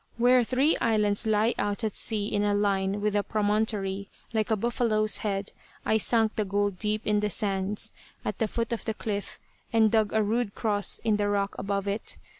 "Where three islands lie out at sea in a line with a promontory like a buffalo's head, I sunk the gold deep in the sands, at the foot of the cliff, and dug a rude cross in the rock above it.